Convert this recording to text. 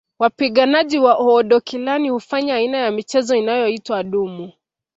Wapiganaji wa Oodokilani hufanya aina ya michezo inayoitwa adumu